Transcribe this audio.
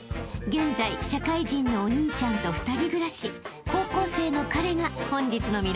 現在社会人のお兄ちゃんと２人暮らし高校生の彼が］